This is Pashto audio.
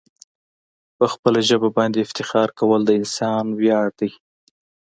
په خپل ژبه باندي افتخار کول د انسان ویاړ دی.